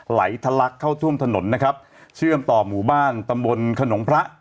ไหลทะลักเข้าท่วมถนนนะครับเชื่อมต่อหมู่บ้านตำบลขนงพระ